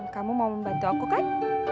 kamu mau membantu aku kan